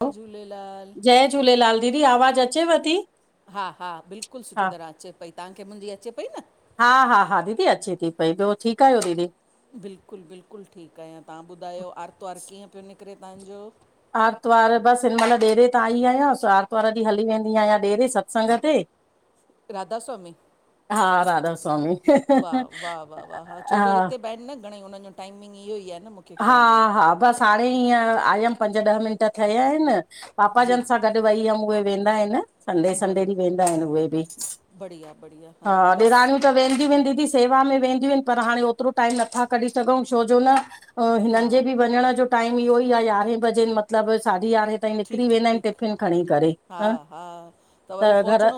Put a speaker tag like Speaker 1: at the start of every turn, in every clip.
Speaker 1: जय
Speaker 2: अऊं,
Speaker 1: झूलेलाल
Speaker 2: जय झूलेलाल, दीदी आवाज़ अचेव ती?
Speaker 1: हा हा, बिल्कुलु सुठी तरह अचे पई, तहांखे मुंहिंजी अचे पई न?
Speaker 2: हा हा हा, दीदी अचे ती पई, ॿियो ठीक आहियो दीदी?
Speaker 1: बिल्कुलु बिल्कुलु, ठीक आहियां, तां ॿुधायो आर्तवारु कीअं पियो निकिरे तांजो?
Speaker 2: आर्तवार बसि हिन महिल ॾेरे तां आई आहियां, आर्तवारु ॾींहुं हली वेंदी आहियां ॾेरे सत्संग ते।
Speaker 1: राधास्वामी?
Speaker 2: हा, राधा स्वामी,
Speaker 1: वाह वाह वाह वाह छो जो
Speaker 2: हा।
Speaker 1: हिते न [unintelligible] घणे हुननि जो टाइमिंग इहो ई आ न मुखे
Speaker 2: हा हा, बसि हाणे ईअ आयमि पंज ॾह मिंट थया इनि, पापा
Speaker 1: जी
Speaker 2: जन सां गॾु वई हमि, उहे वेंदा इनि। संडे संडे ॾीहुं
Speaker 1: बराबरि
Speaker 2: वेंदा इनि उहे बि,
Speaker 1: बढ़िया बढ़िया
Speaker 2: हा,
Speaker 1: बसि
Speaker 2: ॾेराणियूं त वेंदीयूं वेंदीयूं दींदी। सेवा में वेंदियूं इनि पर हाणे ओतिरो टाइम नथा कढी सघऊं, छो जो न
Speaker 1: हा
Speaker 2: हिननि जे बि वञण जो टाइम इहो ई आ, यारें बजे मतिलब साढी यारहें त हे निकरी
Speaker 1: ठीकु
Speaker 2: वेंदा आहिन
Speaker 1: ठीकु
Speaker 2: टिफिन खणी करे
Speaker 1: हा
Speaker 2: हं त घर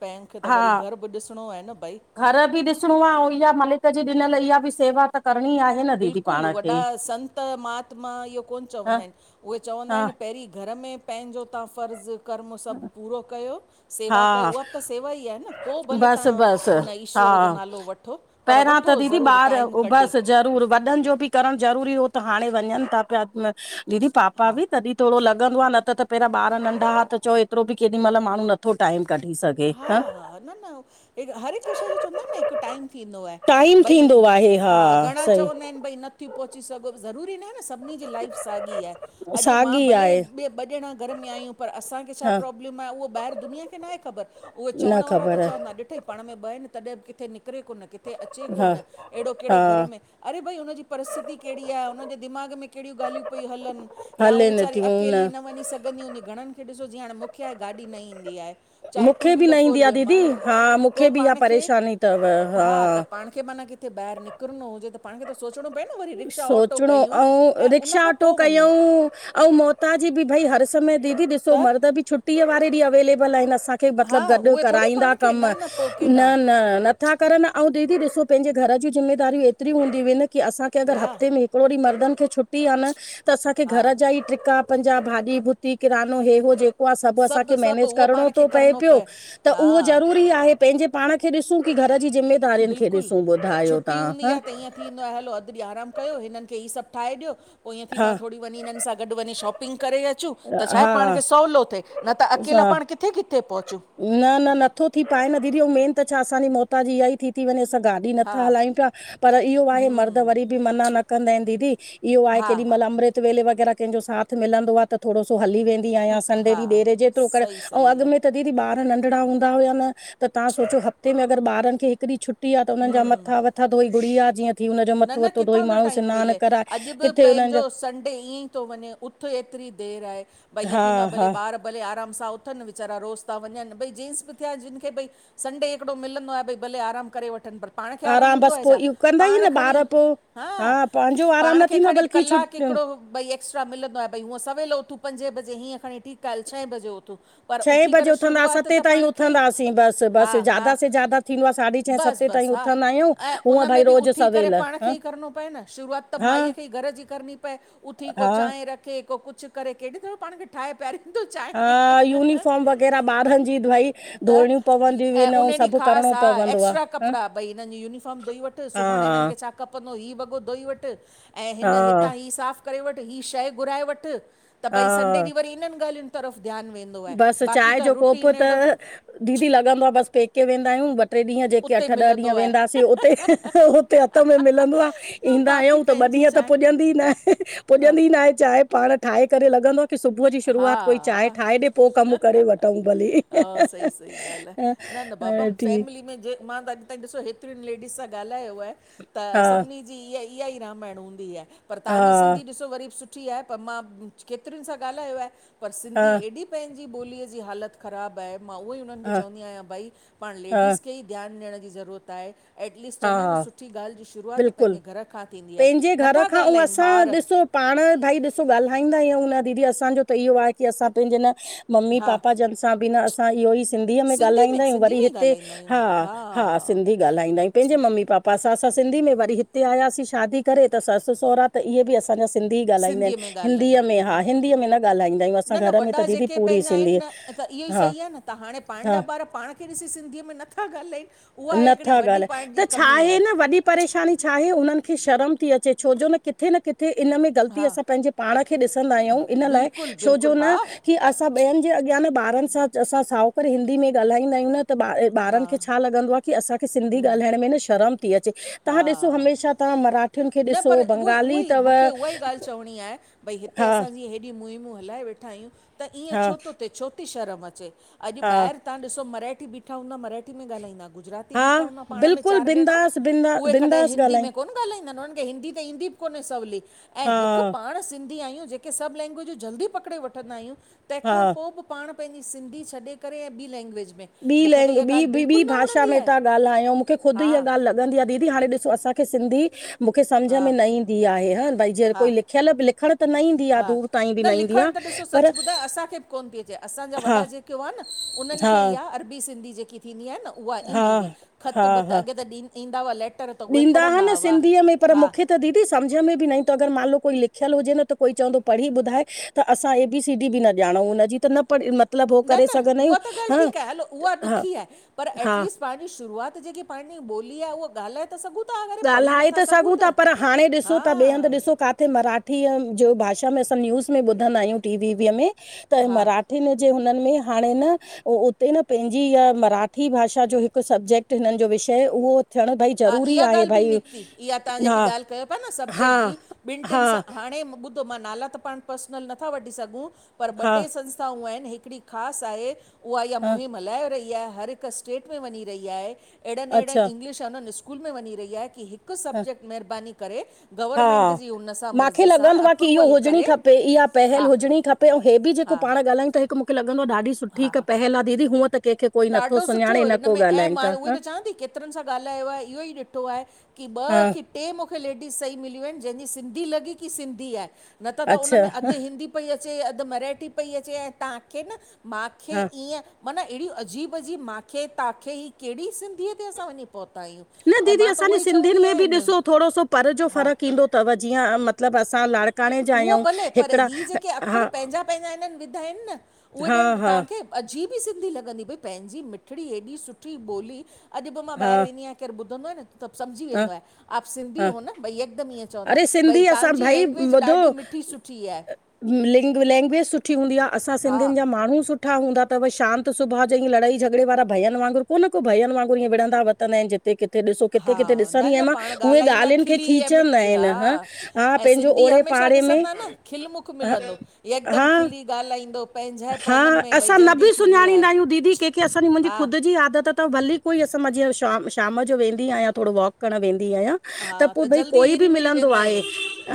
Speaker 1: पेंखे त
Speaker 2: हा
Speaker 1: वरी घर बि ॾिसणो आहे न भई
Speaker 2: घर बि ॾिसणो आ आऊं इहा मलिक जी ॾिनल इहा बि सेवा त करणी आहे न दीदी पाण खे।
Speaker 1: त संत महात्मा इहो कोन्ह
Speaker 2: ह
Speaker 1: चवंदा आहिन उहे चवंदा
Speaker 2: हा
Speaker 1: आहिन पहिरीं घर में पंहिंजो तव्हां फ़र्ज़ु कर्म सभु पूरो कयो सेवा कयो
Speaker 2: हा
Speaker 1: उहा बि त सेवा ई आहे न पो भले
Speaker 2: बसि
Speaker 1: तव्हां
Speaker 2: बसि
Speaker 1: हुन ईश्वर जो
Speaker 2: हा
Speaker 1: नालो वठो। पर
Speaker 2: पहिरां त
Speaker 1: वठो
Speaker 2: दीदी
Speaker 1: ज़रूरु
Speaker 2: ॿार
Speaker 1: टाइम कढी
Speaker 2: उबसि ज़रूर वॾनि जो बि करम ज़रूरी हो त हाणे वञनि था पिया न दीदी पापा
Speaker 1: हा
Speaker 2: बि तॾीं थोरो लॻंदो आ न त पहिरां ॿार नंढा हा त चओ एतिरो बि केॾी मल माण्हू न थो टाइम कढी सघे।
Speaker 1: हा
Speaker 2: ह
Speaker 1: हा, न न हर हिकु शइ जो चवंदा आहिन न हिकु टाइम थींदो आहे।
Speaker 2: टाइम
Speaker 1: भई
Speaker 2: थींदो आहे
Speaker 1: हा घणा
Speaker 2: सही
Speaker 1: चवंदा आहिन भई नथियूं पहुची सघो ज़रूरी न आ न सब नी जी लाइफ साॻी आहे। अॼु मां
Speaker 2: साॻी
Speaker 1: भले
Speaker 2: आहे
Speaker 1: ॿे ॿ ॼणा घर में आयूं पर असांखे छा
Speaker 2: हा
Speaker 1: प्रॉब्लम आहे उहो ॿाहिर दुनिया खे नाहे ख़बर। उहे
Speaker 2: न
Speaker 1: चवण वारा त
Speaker 2: ख़बर आहे,
Speaker 1: चवंदा ॾिठई पाण में ॿ आहिन तॾहिं बि किथे निकिरे कोन। किथे अचे
Speaker 2: हा
Speaker 1: कोन, अहिड़ो कहिड़ो घर
Speaker 2: हा
Speaker 1: में अरे भई हुनजी परिस्थिति कहिड़ी आ, हुनजे दिमा़ग में कहिड़ियूं ॻाल्हियूं पई हलनि या उ
Speaker 2: हलेनि
Speaker 1: वेचारी
Speaker 2: थियूं
Speaker 1: अकेली न वञी सघंदी हूनी घणनि मूंखे ॾिसो जीअं हाणे मूंखे आहे गाॾी न ईंदी आहे। चाहे टू
Speaker 2: मूंखे बि न
Speaker 1: व्हीलर
Speaker 2: ईंदी
Speaker 1: फोर
Speaker 2: आहे
Speaker 1: वीलर
Speaker 2: दीदी
Speaker 1: मान
Speaker 2: हा
Speaker 1: पो
Speaker 2: मूंखे बि इहा
Speaker 1: पाण खे
Speaker 2: परेशानी अथव
Speaker 1: हा त पाण के मान किथे बाहिर निकरणो हुजे त पाण खे त सोचणो पए न वरी रिक्शा ऑटो
Speaker 2: सोचणो
Speaker 1: कयूं ऐं उनखां पोइ वञूं
Speaker 2: ह आऊं मोताजी भई हर समय दीदी ॾिसो
Speaker 1: त
Speaker 2: मर्द बि छुटीअ वारे ॾींहं अवेलेबल आहिन असां के
Speaker 1: हा
Speaker 2: मतलब गॾु
Speaker 1: उहे थोरी
Speaker 2: कराईंदा
Speaker 1: पाण खे
Speaker 2: कम,
Speaker 1: न पोइ
Speaker 2: न
Speaker 1: केॾां
Speaker 2: न न छा करनि आऊं दीदी ॾिसो पंहिंजे घर जूं जिमेदारियूं एतरी हूंदियूं हिन की असांखे अगरि
Speaker 1: हा
Speaker 2: हफ़्ते में हिकिड़ो ॾींहं मर्दनि खे छुटी आ न, त असांखे
Speaker 1: हा
Speaker 2: घर जा ई ट्रिका पंजा भाॼी भुती किरानो हे हो जेक उआ सब असांखे
Speaker 1: सभु सभु
Speaker 2: मेनेज
Speaker 1: उहो
Speaker 2: करणो
Speaker 1: पाण खे
Speaker 2: तो
Speaker 1: करिणो
Speaker 2: पियो
Speaker 1: पए
Speaker 2: त
Speaker 1: हा
Speaker 2: उहो ज़रूरी आहे पेंजे पाण खे ॾिसूं की घर जी ज़िमेदारियुनि खे
Speaker 1: बिल्कुलु
Speaker 2: ॾिसूं ॿुधायो
Speaker 1: छुटी
Speaker 2: तव्हां
Speaker 1: हूंदी
Speaker 2: हा
Speaker 1: आहे त ईअं थींदो हलो अध ॾिहं आराम कयो हिननि खे ईसब ठाए ॾियो पो ईअं थींदो
Speaker 2: हा
Speaker 1: आ थोरी वञी हिननि सां गॾु वञी शॉपिंग करे अच चूं त
Speaker 2: हा
Speaker 1: छा आहे पाण
Speaker 2: हा
Speaker 1: खे सवलो थे न त अकेला
Speaker 2: असां
Speaker 1: पाण किथे किथे पहुचूं।
Speaker 2: न न, नथो थी पाए न दीदी ऐं मेन त छा असांजी मोताजी इहा ई थी थी वञे असां गाॾी
Speaker 1: हा
Speaker 2: नथा हलायूं पिया पर इहो आहे मर्द वरी बि मना न कंदा आहिन दीदी इहो आहे
Speaker 1: हा
Speaker 2: केॾी
Speaker 1: हा
Speaker 2: महिल अमृत वेले वग़ैरह कंहिंजो साथ मिलंदो आ त थोरो सो हली वेंदो ठी आयां, संडे
Speaker 1: हा
Speaker 2: डीं डेर जेतिरो करे
Speaker 1: सही
Speaker 2: ऐं
Speaker 1: सही आहे
Speaker 2: अॻिमें त दीदी ॿार नंढड़ा हूंदा हुया त तव्हां सोचो हफ्ते में ॿारन खे हिकड़ी छुटी टी आ त उन्हजा मथां वथां धोई गूड़िया जीअं थी हुनजो
Speaker 1: न
Speaker 2: मथो
Speaker 1: न,
Speaker 2: वथो धोई
Speaker 1: किथां थो
Speaker 2: माण्हू
Speaker 1: टाइम
Speaker 2: सनानु
Speaker 1: मिले
Speaker 2: कराए
Speaker 1: अॼु बि
Speaker 2: किथे उन्हनि
Speaker 1: पंहिंजो
Speaker 2: जा
Speaker 1: संडे ईअं ई थो वञे। उथ एतिरी देरि आहे भई ईअं
Speaker 2: हा
Speaker 1: थींदो आहे भले
Speaker 2: हा
Speaker 1: ॿार भले आराम सां उथनि वेचारा रोज़ था वञनि भई जेंस बि थिया जिन खे भई संडे हिकिड़ो मिलंदो आ भई भले आराम करे वठनि पर पाण खे आराम हूंदो
Speaker 2: बसि
Speaker 1: आ
Speaker 2: पोइ
Speaker 1: छा?
Speaker 2: इहो कंदा ई
Speaker 1: पाण
Speaker 2: न
Speaker 1: खणी
Speaker 2: ॿार पोइ
Speaker 1: हा
Speaker 2: पंहिंजो आराम
Speaker 1: पाण
Speaker 2: न
Speaker 1: खे
Speaker 2: थींदो आहे
Speaker 1: खणी
Speaker 2: बल्कि छुट
Speaker 1: कलाक हिकड़ो भई एक्स्ट्रा मिलंदा आहे भई हूअं सवेल उथूं पंजे बजे हीअं खणी ठीक आ हल छह बजे उथूं। पर
Speaker 2: छहें
Speaker 1: उथी
Speaker 2: बजे
Speaker 1: करे
Speaker 2: उथंदा
Speaker 1: शुरूआत
Speaker 2: सते
Speaker 1: त
Speaker 2: ताईं
Speaker 1: पाण खे ई,
Speaker 2: उथंदासीं बसि
Speaker 1: हा
Speaker 2: बसि
Speaker 1: हा।
Speaker 2: ज्यादा से ज्यादा थींदो आहे साढी छहें
Speaker 1: बस
Speaker 2: सते
Speaker 1: बस
Speaker 2: ताईं
Speaker 1: हा,
Speaker 2: उथंदा आहियूं
Speaker 1: अएं
Speaker 2: हूअं
Speaker 1: उन
Speaker 2: भई
Speaker 1: में बि उ
Speaker 2: रोज़ु
Speaker 1: उथी करे
Speaker 2: सवेल
Speaker 1: पाण खे
Speaker 2: हा
Speaker 1: ई करणो पए न, शुरूआत त
Speaker 2: हा
Speaker 1: माईअ खे ई घर जी करणी पए उथी पो
Speaker 2: हा
Speaker 1: चांय रखे, को कुछ करे, कें ॾींह थोड़ो पाण खे ठाहे पियारे
Speaker 2: हा, यूनिफॉर्म वग़ैरा, ॿारन जी भई धोइणयूं पवंदयूं इन अऊं सभ
Speaker 1: ख़ास आ, एक्स्ट्रा कपड़ा भई हिनन जी यूनिफॉर्म धोई वठ
Speaker 2: हा
Speaker 1: सुभांणे हिनन खे छा खपंदो, ही वॻो धोई वठ, अएं
Speaker 2: हा
Speaker 1: हिन
Speaker 2: हा
Speaker 1: हितां ही साफ़ करे वठ, ही शै घुराए वठ, त भई
Speaker 2: हा
Speaker 1: संडे ॾींह वरी इनन, ॻाल्हियुन तरफ़ ध्यान वेंदो। आहे
Speaker 2: बस
Speaker 1: बाक़ी
Speaker 2: चांय
Speaker 1: त
Speaker 2: जो कोप
Speaker 1: रुटीन
Speaker 2: त,
Speaker 1: अहिड़ो
Speaker 2: दीदी लॻंदो आ बस पेके वेंदायूं ट्रे ॾींहं जेके
Speaker 1: उते
Speaker 2: अठ ॾह
Speaker 1: मिलंदो
Speaker 2: ॾींहं
Speaker 1: आहे
Speaker 2: वेंदासीं उते, हुते हथ में मिलंदो आ।
Speaker 1: बाक़ी
Speaker 2: ईंदायूं त ॿ
Speaker 1: पंहिंजी
Speaker 2: ॾींहं त
Speaker 1: चांहि
Speaker 2: पुॼंदी ई नाहें, पुॼंदी ई नांहें चांय पाण ठाहे करे लॻंदो आ की सुबूह जी शुरुआत कोई चांय
Speaker 1: हा
Speaker 2: ठाए ॾे पो कम करे वठूं भलीे,
Speaker 1: हा, सही सही ॻाल्हि आहे न न बाबा
Speaker 2: अ ठीक
Speaker 1: फैमिली में जे मां त अॼ ताईं ॾिसो, हेतरिन लेडीस सां ॻाल्हायो आहे
Speaker 2: हा
Speaker 1: त सभनी जी इहा, ईसाई रामायण हूंदी आहे, पर तहां जी
Speaker 2: हा
Speaker 1: सिंधी ॾिसो वरी बि सुठी आहे, पर मां केतरिन सां ॻाल्हायो आहे, पर
Speaker 2: हा
Speaker 1: सिंधी एॾी पंहिंजी ॿोलीअ जी हालत ख़राब आहे, मां उहोई उन्हनि खे
Speaker 2: हा
Speaker 1: चवंदी आयां, भाई पाण
Speaker 2: हा
Speaker 1: लेडीस खे ई ध्यान ॾियण जी ज़रूअत आहे। एटलीस्ट चवंदा एन न,
Speaker 2: हा
Speaker 1: सुठी ॻाल्ह जी शुरुआत
Speaker 2: बिल्कुलु
Speaker 1: पंहिंजे घर खां थींदी आहे,
Speaker 2: पंहिंजे घर
Speaker 1: नथा
Speaker 2: खां ऐं
Speaker 1: ॻाल्हाईन
Speaker 2: असां
Speaker 1: ॿार
Speaker 2: ॾिसो पाण भई ॾिसो ॻाल्हाईंदा आयूं न, दीदी असांजो त इहो आहे की असां पैंजे न मम्मी,
Speaker 1: हा
Speaker 2: पापा जन असां बि न असां इहो ई सिंधीअ में
Speaker 1: सिंधी
Speaker 2: ॻाल्हाईंदायूं,
Speaker 1: सिंधी
Speaker 2: वरी
Speaker 1: में ई
Speaker 2: हिते
Speaker 1: ॻाल्हाईंदा आहियूं
Speaker 2: हा, हा, सिंधी ॻाल्हाईंदायूं। पेंजे ममी पापा सां, असां सिंधी में, वरी हिते आयासीं शादी करे त ससु सुहरा त इहे भी असां असांजा सिंधी ॻाल्हाईंदा एन,
Speaker 1: सिंधीअ में
Speaker 2: हिंदीअ
Speaker 1: ॻाल्हायूं
Speaker 2: में, हा हिंदीअ में न ॻाल्हाईंदायूं असां
Speaker 1: न न
Speaker 2: घर में त
Speaker 1: वॾा
Speaker 2: दीदी
Speaker 1: जेके
Speaker 2: पूरी
Speaker 1: पंहिंजा आहिनि
Speaker 2: सिंधी
Speaker 1: न त इहोई
Speaker 2: हा
Speaker 1: सही आ न, त हाणे पांजा
Speaker 2: हा
Speaker 1: ॿार पाण खे ॾिसी सिंधीअ में नथा ॻाल्हाईन।
Speaker 2: नथा ॻाल्हाए, त छाहे न वॾी परेशानी छाहे, उनन खे शर्म ती अचे, छो जो न किथे न किथ किथे, इन में ग़ल्ती
Speaker 1: हा
Speaker 2: असां पंहिंजे पाण खे ॾिसंदायूं, इन लाइ
Speaker 1: बिल्कुलु
Speaker 2: छोजो
Speaker 1: बिल्कुलु हा
Speaker 2: न की असां ॿियन जे अॻयां न, ॿारन सां असां साओं करें हिंदी में ॻाल्हाईंदायूं न त, ॿ ॿारन
Speaker 1: हा
Speaker 2: खे छा लॻंदो आं, की असांखे सिंधी ॻाल्हाइण में न शर्म ती अचे, तहां ॾिसो
Speaker 1: हा
Speaker 2: हमेशा तहां मरा
Speaker 1: न पर उहोई उहोई, मूखे उहाई ॻाल्ह चवणी आहे भई हिते
Speaker 2: हा
Speaker 1: असां जीअं हेॾी मुहिमूं हलाए वेठायूं, त ईंएं
Speaker 2: हा
Speaker 1: छोतो थे, छो छोती शर्म अचे, अॼ
Speaker 2: हा
Speaker 1: ॿाहिर तहां ॾिसो मराठी ॿीठा हूंदा, मराठी में ॻाल्हाईंदा, गुजराती
Speaker 2: हा
Speaker 1: बीठा हूंदा पाण में
Speaker 2: बिल्कुलु
Speaker 1: चार ॼणा,
Speaker 2: बिंदास बिंदा
Speaker 1: उहे कॾहिं
Speaker 2: बिंदास
Speaker 1: हिंदी
Speaker 2: ॻाल्हायूं
Speaker 1: में कोन ॻाल्हाईं उनन खे हिंदी त ईंदी बि कोन्हें सवली, ऐं
Speaker 2: हा
Speaker 1: हिक पाण सिंधी आयूं जेके सभ लैंग्विजूं जल्दी पकड़े वठंदायूं,
Speaker 2: हा
Speaker 1: तेंखां पो बि पाण पंहिंजी सिंधी छॾे करे, ऐं ॿीं लैंग्वेज में
Speaker 2: ॿीं
Speaker 1: मूंखे त
Speaker 2: लैंग्
Speaker 1: इहा ॻाल्हि
Speaker 2: ॿी, ॿी
Speaker 1: बिल्कुलु न
Speaker 2: भाषा
Speaker 1: वणंदी
Speaker 2: में
Speaker 1: आहे
Speaker 2: था ॻाल्हायऊं, मूंखे ख़ुद
Speaker 1: हा
Speaker 2: इहा ॻाल्ह लॻ ॻंदी आ, दीदी हाणे ॾिसो असांखे सिंधी, मूखे सम्झ
Speaker 1: हा
Speaker 2: में न ईंदी आहे, हां, भाई जींएं कोई
Speaker 1: हा
Speaker 2: लिख् लिख्यल बि लिखण त न ईंदी आहे
Speaker 1: हा,
Speaker 2: दूर ताईं बि
Speaker 1: न
Speaker 2: ईंदी
Speaker 1: लिखण त
Speaker 2: आहे
Speaker 1: ॾिसो सच
Speaker 2: पर
Speaker 1: ॿुधायां, असांखे बि कोन पी अचे, असांजा
Speaker 2: हा
Speaker 1: वॾा जेके हुआ न उन्हनि
Speaker 2: हा
Speaker 1: खे इहा, अरबी सिंधी जेकी थींदी आ न, उहा
Speaker 2: हा
Speaker 1: ईंदी हुई, ख़त
Speaker 2: हा
Speaker 1: ॿत
Speaker 2: हा
Speaker 1: अॻे त ॾीं ईंदा हुआ, लेट
Speaker 2: ॾींदा हा न, सिंधीअ में पर मूखे त दीदी सम्झ में बि न‌ इंदो, त अगर मान लो कोई लिखयल हुजे न त कोई चवंदो पढ़ी ॿुधाइ त असां ए बी सी डी बि न ॼाणू हुनजी त न पढ मत
Speaker 1: न न उहा त ॻाल ठीक आए, हलो उहा
Speaker 2: हा
Speaker 1: ॾुखी आए पर
Speaker 2: हा
Speaker 1: एटलीस्ट पंहिंजी शुरुआत जेकी पंहिंजी ॿोली आ उहा ॻालाइण त सब तां वट
Speaker 2: ॻालाए त सघूं था पर, हाणे ॾिसो
Speaker 1: हा
Speaker 2: त ॿिए हंधु ॾिसो काथे मराठी ठीअ जो भाषा में असां न्यूज़ में ॿुधंदा आहियूं टी वीवीअ में त
Speaker 1: हा
Speaker 2: मराठा हिन जे हुनन में हाणे न उ उते न पंहिंजी इहा मराठी भाषा जो हिक सब्जेक्ट हिनन जो विषय उहो थियण भाई
Speaker 1: हा
Speaker 2: ज़रूरी
Speaker 1: इहा
Speaker 2: आहे।
Speaker 1: ॻाल्हि बि
Speaker 2: भई
Speaker 1: निकती इहा तां जेकी
Speaker 2: हा
Speaker 1: ॻाल कयो पिया न
Speaker 2: हा
Speaker 1: सब्जेक्ट जी, ॿिन
Speaker 2: हा
Speaker 1: टिन सां हाणे ॿुध त मां नाला त पाण पर्सनल नथा वठी सघूं, पर ॿ
Speaker 2: हा
Speaker 1: टे संस्थाऊं आहिन हिकड़ी ख़ास आहे उहा इहा
Speaker 2: हा
Speaker 1: मुहिम हलाए रही आ, हर हिक स्टेट में वञी रही आहे। अहिड़न अहिड़न
Speaker 2: अच्छा
Speaker 1: इंग्लिश उन्हनि स्कूल में वञी रही आहे की हिक
Speaker 2: ह
Speaker 1: सब्जेक्ट महिरबानी करे। गवर्नमेंट
Speaker 2: हा
Speaker 1: जी हुन सां
Speaker 2: मांखे
Speaker 1: मर्ज़ी सां
Speaker 2: लॻंदो आं की इहो
Speaker 1: अप्रूवल
Speaker 2: हुजणी
Speaker 1: करे
Speaker 2: खपे इहा पहल
Speaker 1: हा
Speaker 2: हुजणी खपे। हे बि जेको
Speaker 1: हा
Speaker 2: पाण ॻालायूं था त हिक मूंखे लॻंदो आ ॾाढी सुठी
Speaker 1: हा
Speaker 2: पहल आ दीदी हूअं त कंहिंखे कोई नथो
Speaker 1: ॾाढो सुठो
Speaker 2: सुञाणे न
Speaker 1: हिन
Speaker 2: को
Speaker 1: में ऐं
Speaker 2: ॻाल्हाइनि
Speaker 1: मां
Speaker 2: था
Speaker 1: उहे त चवां थी केतरन सां ॻालायो आए इहो ई ॾिठो आए की ॿ
Speaker 2: हा,
Speaker 1: कि टे मूंखे लेडीस सही मिलियूं आहिन, जंहिंजी सिंधी लॻी की सिंधी आहे न त त उन
Speaker 2: अच्छा,
Speaker 1: में अधु हिंदी पई अचे अधु मराठी पई अचे ऐं तां खे न मांखे
Speaker 2: हा,
Speaker 1: ईंय मऩ एड़ी अजीब अजीब मांखे तांखे ई कहिड़ी सिंधीअ ते असां वञी पहुता आहियूं?
Speaker 2: न
Speaker 1: ऐं
Speaker 2: दीदी,
Speaker 1: मां त
Speaker 2: असांजे
Speaker 1: उहो ई
Speaker 2: सिंधियुन
Speaker 1: चवंदी
Speaker 2: में बि
Speaker 1: आहियां
Speaker 2: ॾिसो थोरो सो पर जो
Speaker 1: हा
Speaker 2: फ़र्क़ ईंदो थव जीअं मतलब असां लाड़
Speaker 1: उहो भले, पर ही जेके अख़र पंहिंजा पंहिंजा हिनन विधा आहिन न उहे
Speaker 2: हा
Speaker 1: ॼण
Speaker 2: हा
Speaker 1: तव्हांखे अजीब ई सिंधी लॻंदी, भई! पंहिंजी मिठड़ी एॾी सुठी ॿोली अॼु बि मां
Speaker 2: हा
Speaker 1: ॿाहिर वेंदी आहियां केर ॿुधंदो आए न, त समझी
Speaker 2: हा
Speaker 1: वेंदो आ, आप सिंधी
Speaker 2: हा
Speaker 1: हो न, भाई हिकदम ईअ।
Speaker 2: अरे! सिंधी असां भई दो
Speaker 1: मिठी सुठी आहे
Speaker 2: लैग् लैंग्विज सुठी हूंदी आं, असां
Speaker 1: हा
Speaker 2: सिंधीयुन जा माण्हू सुठ सुठा हूंदा थव, शांत स्वभाव जां, ईंय लड़ाई झगड़े वारा भइन वांगुरु कोन, को भइन वांगुर ईंय विंरन्दा वतंदा आहिन जित किथे किथे ॾिसो, किथे
Speaker 1: हा
Speaker 2: किथे ॾिसंदी आया न,
Speaker 1: पाण
Speaker 2: उहें
Speaker 1: ॻाल्हाईंदा
Speaker 2: ॻाल्हियुन खे
Speaker 1: खिली ऐं
Speaker 2: खींचन [unintelligible]
Speaker 1: मिठ
Speaker 2: हा
Speaker 1: ऐं
Speaker 2: पंहिंजो
Speaker 1: सिंधी
Speaker 2: ओड़े-
Speaker 1: हमेशह
Speaker 2: पाड़े में,
Speaker 1: ॾिसंदा न खिलमुख
Speaker 2: ह ह।
Speaker 1: मिलंदो यकदमि
Speaker 2: हा।
Speaker 1: खिली ॻाल्हाईंदो पंहिंजाइप
Speaker 2: हा,
Speaker 1: उन्हनि में भई
Speaker 2: असां न
Speaker 1: जल्दी
Speaker 2: बि
Speaker 1: थींदी
Speaker 2: सुञाणींदा
Speaker 1: आहे
Speaker 2: आहियूं दीदी केखे। असांजी- मुंहिंजी
Speaker 1: हा
Speaker 2: ख़ुद जी आदत। थव भली कोई, असां मां जीअं शा शाम जो वेंदी आहियां। थोरो वॉक करण वेंदी आहियां। त
Speaker 1: हा
Speaker 2: पो भई
Speaker 1: जल्दी
Speaker 2: कोई
Speaker 1: हेरी
Speaker 2: भी
Speaker 1: मेरी
Speaker 2: मिलंदो
Speaker 1: वेंदा
Speaker 2: आहे
Speaker 1: आहियूं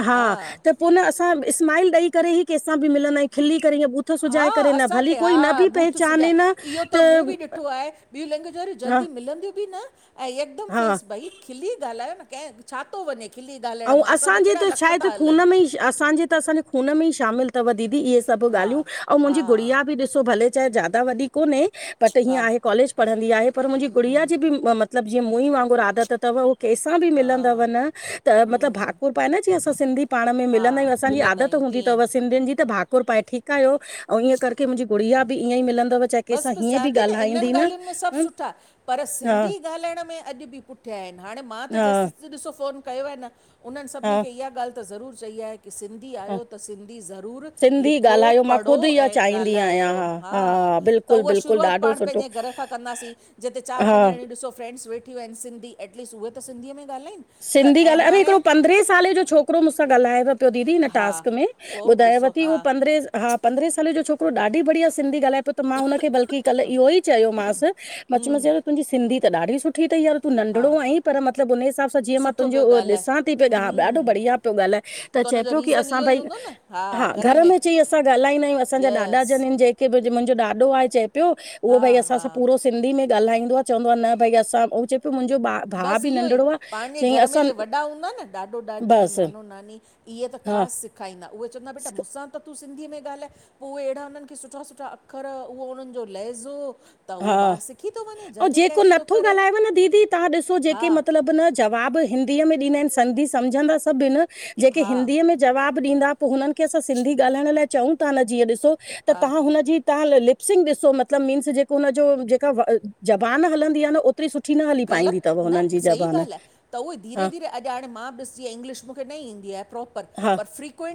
Speaker 2: हा त पो न असां स्माइल ॾेई करे ई कैंसां बि मिलंदा आहियूं‌। खिली करे या ॿूथ सुॼाए
Speaker 1: हा,
Speaker 2: करे न भली
Speaker 1: असांखे
Speaker 2: कोई न
Speaker 1: हा,
Speaker 2: बि
Speaker 1: ॿूथ सुॼाए
Speaker 2: पहचाने न
Speaker 1: इहो त मूं भी ॾिठो आए। ॿियूं लैंग्वेज वारयूं
Speaker 2: हा
Speaker 1: जल्दी मिलंदियूं बि न, ऐं यकदम
Speaker 2: हा
Speaker 1: फेस, भई खिली ॻालायो न? कंहिं छा थो वञे खिली ॻाल्हाइण मां? असांजा केहिड़ा लख था हलन!
Speaker 2: असांजी त असांजे खून में शामिल थव दीदी, इहे सभु
Speaker 1: हा
Speaker 2: ॻाल्हियूं,, ऐं
Speaker 1: हा
Speaker 2: मुंहिंजी गुड़िया बि ॾिसो। ॾिसो भले चाहे ज़्यादा वॾी कोने, बट
Speaker 1: हा
Speaker 2: हिंयं आहें कॉलेज पढदीं आहे, पर मुंहिंजी गुड़िया जे ब़ि मत मतलब, जीअं मूं वांगुरु आदत थव, उह कहिंसां बि मिलंदव
Speaker 1: हा
Speaker 2: न त मतलब भा भाकुर पाए न जीअ, असां सिंधी पाण में भाकुर
Speaker 1: हा
Speaker 2: पाए न जीअं असां सिंधी मिलंदां आहियूं? असांजी
Speaker 1: मिलंदा
Speaker 2: आदत
Speaker 1: आहियूं
Speaker 2: हूंदी
Speaker 1: तीअं
Speaker 2: थव सिंधियुन जी त भाकुर पाए, ठीक आयो? अंऊ ईअं करके, मुंहिंजी गुड़िया बि ईअं ई मिलंदव। चाहे
Speaker 1: बस
Speaker 2: कंहिंसां
Speaker 1: बस
Speaker 2: हीअं
Speaker 1: चवां
Speaker 2: बि
Speaker 1: थी न, इनन
Speaker 2: ॻाल्हाईंदी न
Speaker 1: ॻालियुन में सभ
Speaker 2: हम्म
Speaker 1: सुठा, पर सिंधी
Speaker 2: हा
Speaker 1: ॻालाइण में अॼु बि पुठियां आहिन। हाणे मां त
Speaker 2: हा
Speaker 1: जेस ॾिसो फोन कयो आहे न? उनन सभनी
Speaker 2: हा
Speaker 1: खे इहा ॻाल त, ज़रूर चई आहे की सिंधी सिंधी
Speaker 2: हा
Speaker 1: आहियो त? सिंधी ज़रूरु
Speaker 2: सिंधी
Speaker 1: लिखो-
Speaker 2: ॻाल्हायो मां
Speaker 1: पढ़ो
Speaker 2: ख़ुदि इहा
Speaker 1: ऐं
Speaker 2: चाहींदी आहियां
Speaker 1: ॻाल्हायो। हा। त
Speaker 2: बिल्कुलु
Speaker 1: उहा
Speaker 2: बिल्कुलु
Speaker 1: शुरुआत
Speaker 2: ॾाढो
Speaker 1: पाण
Speaker 2: सुठो
Speaker 1: पंहिंजे घर खां कंदासीं। जिते चारि
Speaker 2: हा
Speaker 1: पंज ॼणियूं। ॾिसो, फ्रेंड्स वेठियूं आहिनि सिंधी। एटलीस्ट उहे त सिंधीअ में गाल्हाइनि‌।
Speaker 2: सिंधी ॻाल्हाए, अरे हिकिड़ो पंद्रहें सांल जो छोकिरो मुसां ॻाल्हाययोव। ॿियो दीदी, हिन्
Speaker 1: हा
Speaker 2: टास्क में,
Speaker 1: पोइ ॾिसो
Speaker 2: ॿुधायावती
Speaker 1: हा
Speaker 2: हूं पंद्रह हा। पंदहें साल जों छोकरों ॾाढी बढ़िया सिंधी गांल्हाए प्यो। त् मां हुनखे बल्कि कल्ह इहो ई चयोमांसि। मां चयोमांस यार तुंहिंजी सिंधी त ॾाढी सुठी तई यार। तू
Speaker 1: हा
Speaker 2: नंढिरो आहीं, पर मतलब उन हिसाब सां। जीअं मां
Speaker 1: सुठो
Speaker 2: तुंहिंजो
Speaker 1: पियो
Speaker 2: उहो
Speaker 1: ॻाल्हाए
Speaker 2: ॾिसां थी
Speaker 1: त
Speaker 2: पईा ॾाढो बढ़िया पियो ॻाल्हाए, त चए
Speaker 1: हुनजो
Speaker 2: पियो की
Speaker 1: रीज़न
Speaker 2: असां
Speaker 1: इहो ई
Speaker 2: भई।
Speaker 1: हूंदो न
Speaker 2: हा घर में चई असां ॻाल्हाईंदा आहियूं। असांजा ॾाॾा
Speaker 1: यस
Speaker 2: जन आहिनि जेके बि, मुंहिंजो ॾाॾो आहे चए पियो, उहो
Speaker 1: हा
Speaker 2: भई असां
Speaker 1: हा
Speaker 2: सभ पूरो सिंधी में ॻाल्हाईंदो आं। चवंदो आहे न भई असां, उह चए पियो, मुंहिंजो ॿारु। भाउ बि
Speaker 1: बसि इहो ई
Speaker 2: नंढिड़ो आं।
Speaker 1: पंहिंजे घर में जे वॾा हूंदा न? ॾाॾो-ॾाॾी,
Speaker 2: बसि
Speaker 1: नानो- नानी इहे त
Speaker 2: हा
Speaker 1: ख़ासि सेखारींदा। उहे चवंदा बेटा मुसां असां सां त तूं सिंधी में ॻाल्हाए। पोइ उहे अहिड़ा उन्हनि खे सुठा- सुठा अख़र, उहो उन्हनि जो लहज़ो। त उहो
Speaker 2: हा,
Speaker 1: ॿारु सिखी थो वञे
Speaker 2: ऐं
Speaker 1: जल्दी
Speaker 2: जेको
Speaker 1: कैच थो
Speaker 2: नथो
Speaker 1: करे
Speaker 2: ॻाल्हायव न दीदी? तव्हां ॾिसो,
Speaker 1: हा
Speaker 2: जेके मतिलबु न जवाबु हिंदीअ में ॾींदा आहिनि, सिंधी सम्झंदा सभु आहिनि‌ जेके
Speaker 1: हा
Speaker 2: हिंदीअ में जवाबु ॾींदा। पोइ हुननि खे असां सिंधी ॻाल्हाइण लाइ चऊं था न, जीअं ॾिसो? त
Speaker 1: हा
Speaker 2: तव्हां हुनजी तव्हां लिपसिंग ॾिसो, मतलब मीन्स जेके उनजो जेका, ज़बान हलंदी आं न? ओतिरी सुठी न हली पाईंदी
Speaker 1: ग़लति
Speaker 2: तव्,
Speaker 1: न
Speaker 2: हुननि जी
Speaker 1: सही
Speaker 2: ज़बान,
Speaker 1: ॻाल्हि आहे त उहे धीरे
Speaker 2: हा।
Speaker 1: धीरे अॼु हाणे मां बि ॾिसी इंग्लिश मूंखे न ईंदी आहे प्रोपर,
Speaker 2: हा
Speaker 1: पर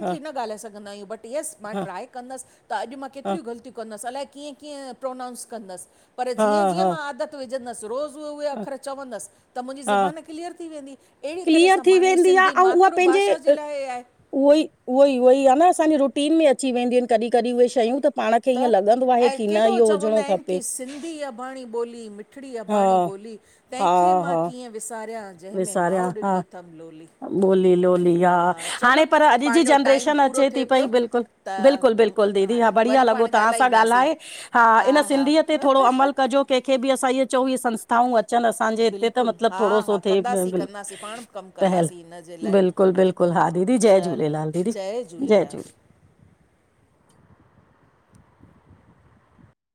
Speaker 2: हा
Speaker 1: न ॻाल्हाए सघंदा आहियूं बट। यस मां
Speaker 2: हा
Speaker 1: ट्राए कंदसि, त अॼु मां
Speaker 2: हा
Speaker 1: केतिरियूं ग़लतियूं कंदसि? अलाए कीअं कीअं प्रोनाउंस कंदसि? पर
Speaker 2: हा
Speaker 1: जीअं - जीअं मां
Speaker 2: हा
Speaker 1: आदत विझंदसि रोज़ु। पो उहे अख़र चवंदसि, त मुंहिंजी
Speaker 2: हा
Speaker 1: ज़बान क्लीअर थी वेंदी। अहिड़ी तरह
Speaker 2: क्लियर
Speaker 1: सां
Speaker 2: थी
Speaker 1: पंहिंजी
Speaker 2: वेंदी
Speaker 1: सिंधी,
Speaker 2: आहे ऐं उहा
Speaker 1: मातृभाषा जे
Speaker 2: पंहिंजे
Speaker 1: लाइ आहे।
Speaker 2: उहो ई -उहो ई -उहो ई आहे न, असांजी रुटीन में अची वेंदियूं आहिनि। कॾहिं- कॾहिं उहे शयूं त। पाण खे ईअं
Speaker 1: त,
Speaker 2: लॻंदो आहे
Speaker 1: ऐं
Speaker 2: की न
Speaker 1: केॾो
Speaker 2: इहो
Speaker 1: चवंदा
Speaker 2: हुजिणो
Speaker 1: आहिनि?
Speaker 2: खपे
Speaker 1: की सिंधी अबाणी ॿोली- मिठड़ी
Speaker 2: हा
Speaker 1: अबाणी ॿोली।
Speaker 2: हा
Speaker 1: तंहिंखे मां
Speaker 2: हा
Speaker 1: कीअं विसारियां? जंहिं में माउ ॾिनी थमि लोली।
Speaker 2: ॿोली-लोली हा,
Speaker 1: चलो
Speaker 2: हाणे पर अॼु जी
Speaker 1: पंहिंजो टाइम
Speaker 2: जनरेशन
Speaker 1: पूरो
Speaker 2: अचे थी
Speaker 1: थिए
Speaker 2: पई
Speaker 1: पियो
Speaker 2: बिल्कुलु,
Speaker 1: त
Speaker 2: बिल्कुलु- बिल्कुलु। बिल्कुल दीदी, हा।
Speaker 1: न
Speaker 2: बढ़िया
Speaker 1: वरी
Speaker 2: लॻो
Speaker 1: पाण
Speaker 2: तव्हां सां
Speaker 1: ॻाल्हाईंदासीं
Speaker 2: ॻाल्हाए, हा। इन सिंधीअ ते थोरो अमल कजो। कंहिंखे बि असां इअ चऊं ईय संस्थाऊं अचनि, असांजे हिते त
Speaker 1: बिल्कुलु
Speaker 2: मतलबु,
Speaker 1: हा
Speaker 2: थोरो
Speaker 1: हा
Speaker 2: सो थिए
Speaker 1: कंदासीं
Speaker 2: बिल्कुलु।
Speaker 1: कंदासीं पाण बि कमु
Speaker 2: पहल,
Speaker 1: कंदासीं हिन जे लाइ
Speaker 2: बिल्कुलु- बिल्कुलु हा दीदी, जय झूलेलाल दीदी। जय झूलेलाल।